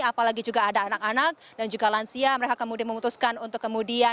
apalagi juga ada anak anak dan juga lansia mereka kemudian memutuskan untuk kemudian